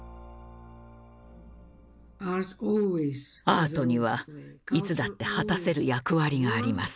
アートにはいつだって果たせる役割があります。